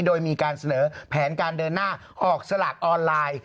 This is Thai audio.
โดยมีการเสนอแผนการเดินหน้าออกสลากออนไลน์